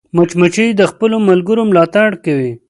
مچمچۍ د خپلو ملګرو ملاتړ کوي